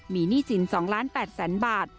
มีหนี้สิน๒๘๐๐๐บาท